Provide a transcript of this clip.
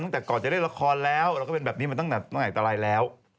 ตั้งแต่ก่อนจะเล่นละครแล้วเราก็เป็นแบบนี้มาตั้งแต่เมื่อไหร่ตะไรแล้ว